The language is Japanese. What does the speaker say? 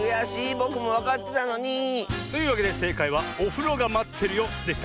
ぼくもわかってたのに！というわけでせいかいは「おふろがまってるよ」でした。